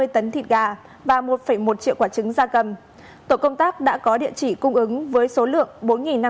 ba trăm ba mươi tấn thịt gà và một một triệu quả trứng da cầm tổ công tác đã có địa chỉ cung ứng với số lượng